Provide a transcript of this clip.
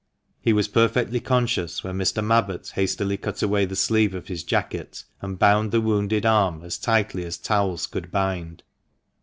He was perfectly conscious when Mr. Mabbott hastily cut away the sleeve of his jacket, and bound the wounded arm as tightly as towels could bind.